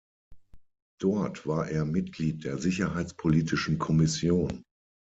Dort war er Mitglied der "Sicherheitspolitischen Kommission".